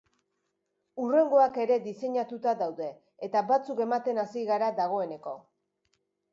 Hurrengoak ere diseinatuta daude, eta batzuk ematen hasi gara dagoeneko.